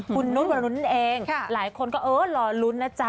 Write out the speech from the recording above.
คุณนุ่นวรนุษย์เองหลายคนก็เออรอลุ้นนะจ๊ะ